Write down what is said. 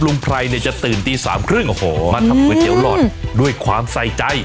ไพรเนี่ยจะตื่นตีสามครึ่งโอ้โหมาทำก๋วยเตี๋หลอดด้วยความใส่ใจ